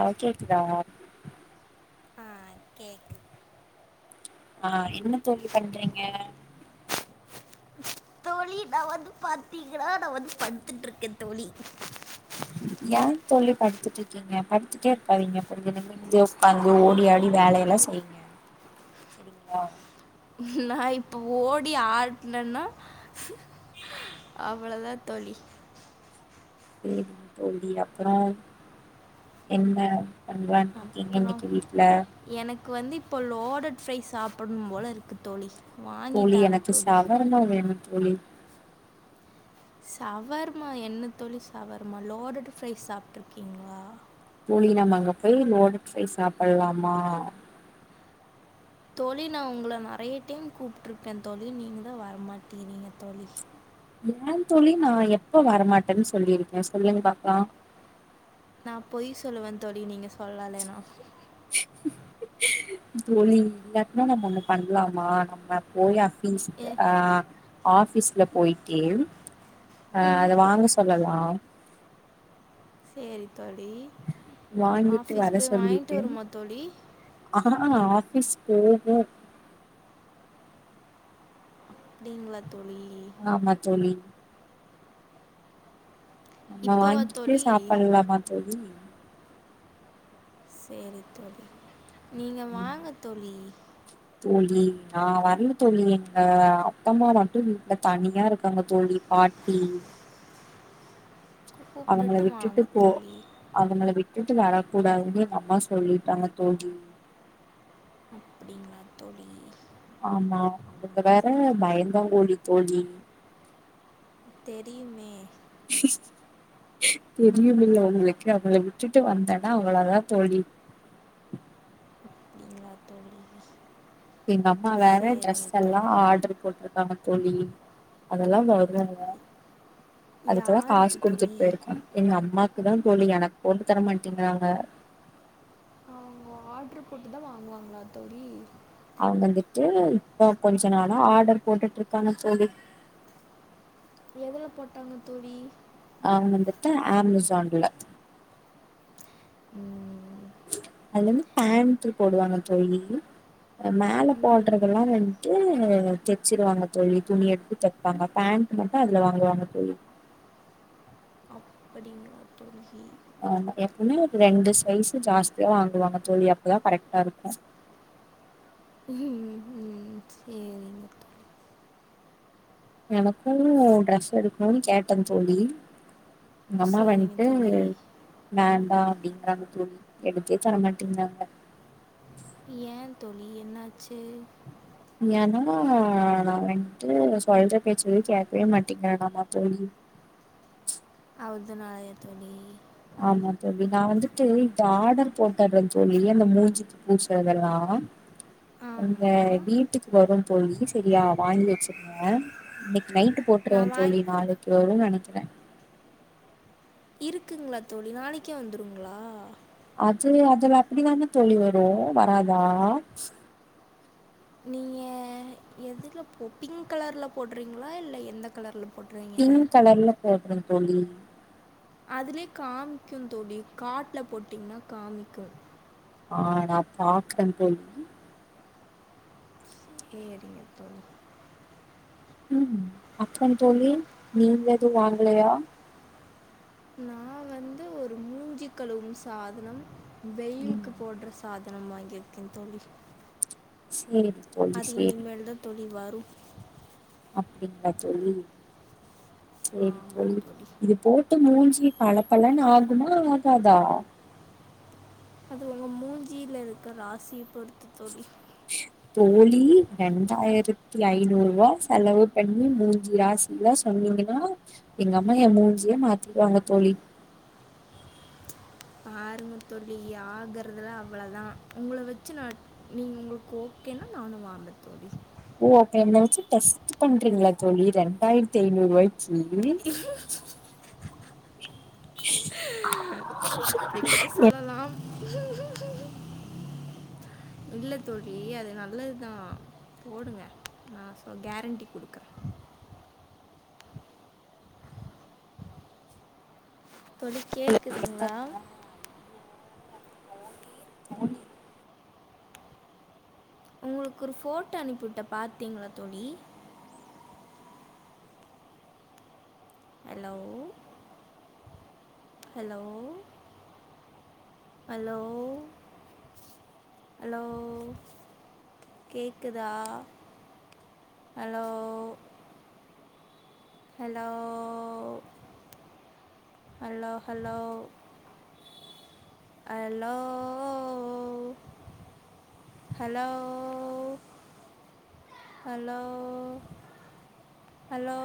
ஆ கேக்குதா ஆ கேக் ஆ என்ன தோழி பண்றீங்க தோழி நா வந்து பாத்தீங்கன்னா நா வந்து படுத்துட் இருக்கே தோழி ஏ தோழி படுத்துட்டு இருக்கீங்க படுத்துட்டே இருக்காதீங்க பொழுதினிமே [unintelligible] உக்காந்து ஓடி ஆடி வேலையெல்லா செய்ங்க சரிங்களா நா இப்போ ஓடி ஆட்னன்னா அவ்வளதா தோழி சேரிங் தோழி அப்றோ என்ன பண்ற நீங்க அப்புறம் இன்னைக்கு வீட்ல எனக்கு வந்து இப்போ லோடட் ஃப்ரை சாப்பனும் போல இருக்கு தோழி வாங்கி தோழி தாங்க எனக்கு தோழி [unintelligible] வேணு தோழி சவர்மா என்ன தோழி சவர்மா லோடட் ஃப்ரை சாப்ட்ருக்கீங்களா தோழி நம்ம அங்க போய் லோடட் ஃப்ரை சாப்பல்லாமா தோழி நா உங்கள நெறய டைம் கூப்ட்டுருக்கே தோழி நீங்க தா வரமாட்டேறீங்க தோழி ஏ தோழி நா எப்ப வரமாட்டேன்னு சொல்லியிருக்கே சொல்லுங்க பாக்கலா நா பொய் சொல்லுவே தோழி நீங்க சொல்லலனா [inaudible] தோழி [unintelligible] நம்ம ஒண்ணு பண்ணலாமா நம்ம போயா அப்டின் சொல்ட்டு ஏ ஆ ஆபீஸ்ல போயிட்டு ஆ அத வாங்க சொல்லலா சேரி தோழி வாங்கிட்டு ஆஃபீஸ் போய் வாங்கிட்டு வருமா தோழி ஆ ஆஃபிஸ் போகும் அப்டிங்களா தோழி ஆமா தோழி நம்ம இப்போவா வாங்கிட்டே தோழி சாப்பல்லாமா தோழி சேரி தோழி நீங்க வாங்க தோழி தோழி நா வரல தோழி எங்க அப்பம்மா மட்டு வீட்ல தனியா இருக்காங்க தோழி பாட் டி அவங்கள கூப்பிட்டுட்டு விட்டுட்டு வாங்க போ தோழி அவங்கள விட்டுட்டு வரக் கூடாதுன்னு எங்க அம்மா சொல்லிட்டாங்க தோழி அப்டிங்களா தோழி ஆமா அவங்க வேற பயந்தாங்கோலி தோழி தெரியுமே தெரியுமில அவங்களுக்கு அவங்கள விட்டுட்டு வந்தனா அவளதா தோழி நீங்களா தோழி எங்க அம்மா வேற சரிங்க ட்ரெஸ்ல்லா தோழி ஆர்டர் போட்ரு காங்க தோழி அதெல்லா வரு அதுக்கெல்லா காசு யாருக்கு குடுத்துட்டு தோழி போயிருக்காங்க எங்க அம்மாக்கு தா தோழி எனக்கு போட்டு தர மாட்டேங்கிறாங்க அ அவுங்க ஆர்ட்ரு போட்டு தா வாங்குவாங்களா தோழி அவங்க வந்துட்டு இப்ப கொஞ்ச நாளா ஆர்டர் போட்டுட்ருக்காங்க தோழி எதுல போட்டாங்க தோழி அவங்க வந்துட்டு அமேசான்ல ம் அது வந்து பேண்ட்ரு போடுவாங்க தோழி அ மேல ம், போடுறதெல்லா வந்துட்டு தெ ச்சுருவாங்க தோழி துணி எடுத்து தெப்பாங்க பேண்ட் மட்டும் அதுல வாங்குவாங்க தோழி படிங்களா தோழி ஆமா எப்பவுமே ஒரு ரெண்டு சைஸ்ஸு ஜாஸ்தியா வாங்குவாங்க தோழி அப்பதா கரெக்டா இருக்கு உம் உம் சேரிங்க எனக்கும் ட்ரெஸ் எடுக்கணுனு கேட்டே தோழி எங்க அம்மா சரிங்க வந்ட்டு தோழி வேண்டா அப்டிங்கறாங்க தோழி எடுத்தே தரமாட்டேங்றாங்க ஏ தோழி என்னாச்சு ஏன்னா நா வந்ட்டு சொல்ற பேச்ச எது கேக்கவே மாட்டேங்கெறெனாமா தோழி அவ்து நாளயா தோழி ஆமா தோழி நா வந்துட்டு இந்த ஆர்டர் போட்டறே தோழி இந்த மூஞ்சிக் பூட்ஸு அதெல்லா அந்த ஆமாம் வீட்டுக்கு வரு தோழி செரியா வாங்கி வச்சிருங்க இன்னக்கி நைட்டு போட்ருவே நான் வாங் தோழி நாளைக்கி வருன்னு நெனைக்கிறே இருக்குங்ளா தோழி நாளைக்கே வந்துருங்ளா அது அதுல அப்டிதானே தோழி வரு வராதா நீங்க எதுல போ பிங்க் கலர்ல போடுறீங்களா இல்ல எந்த கலர்ல போடுறீங் பிங்க் கலர்ல போடுறே தோழி அதுலயே காமிக்கு தோழி காட்டுல போட்டீங்ன்னா காமிக்கு ஆ நா பாக்றெ தோழி சேரிங்க தோழி ம் அப்புறம் தோழி நீங்க எதுவு வாங்கலயா நா வந்து ஒரு மூஞ்சி கழுவும் சாதனம் ம் வெயிலுக்கு போடுற சாதனம் வாங்கிருக்கே தோழி சேரி தோழி அது சேரி இனிமேல் தா தோழி வரும் அப்டிங்களா தோழி சேரி தோழி இது போட் மூஞ்சி பளபளன்னு ஆகுமா ஆகாதா அது உங்க மூஞ்சியில இருக்குற ராசிய பொருத்து தோழி தோழி ரெண்டாயிரத்தி ஐநூறு ரூவா செலவு பண்ணி மூஞ்சிய ஆஸ் ல்லா சொன்னீங்கன்னா எங்க அம்மா எ மூஞ்சியே மாத்திடுவாங்க தோழி பாருங்க தோழி ஆகுறதலா அவ்ளதா உங்கள வச்சு நா நீங்க உங்களுக்கு ஓகேனா நானு வாங்றெ தோழி ஒ அப்ப என்ன வச்சு டெஸ்ட் பண்றிங்களா தோழி ரெண்டாயிரத்தி ஐநூறு ரூவாய்க்கி அப்டி கூட சொல்லலா இல்ல தோழி அது நல்லதுதா போடுங்க ந சொ கேரண்டி குடுக்றே தோழி கேக்குதுங்ளா தோழி உங்களுக்கு ஒரு ஃபோட்டோ அனுப்பிவிட்டே பாத்தீங்ளா தோழி ஹலோ ஹலோ ஹலோ ஹலோ கேக்குதா hello hello hello hello hello hello hello hello